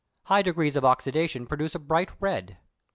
High degrees of oxydation produce a bright red.